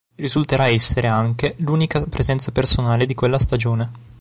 Risulterà essere anche l'unica presenza personale di quella stagione.